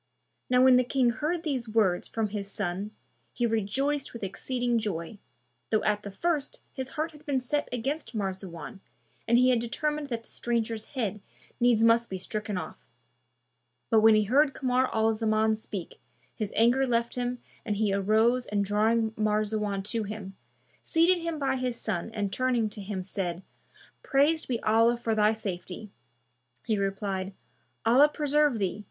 Now when the King heard these words from his son, he rejoiced with exceeding joy, though at the first his heart had been set against Marzawan and he had determined that the stranger's head needs must be stricken off: but when he heard Kamar al Zaman speak, his anger left him and he arose and drawing Marzawan to him, seated him by his son and turning to him said, "Praised be Allah for thy safety!" He replied, "Allah preserve thee!